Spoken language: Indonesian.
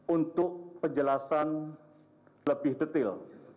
untuk penjelasan lebih detail